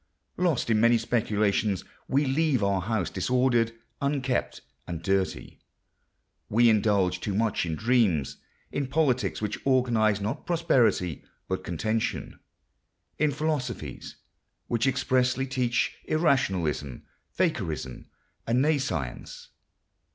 Lost in many speculations, we leave our house disordered, unkept, and dirty. We indulge too much in dreams; in politics which organise not prosperity but contention; in philosophies which expressly teach irrationalism, fakirism, and nescience.